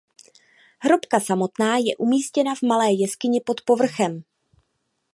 Hrobka samotná je umístěna v malé jeskyni pod povrchem.